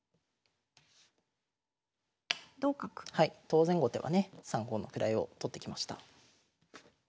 当然後手はね３五の位を取ってきました。